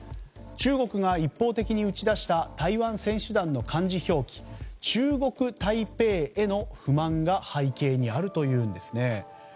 中国が一方的に打ち出した台湾選手団の漢字表記中国台北への不満が背景にあるというんですね。